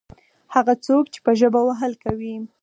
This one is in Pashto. هغه څوک چې په ژبه وهل کوي.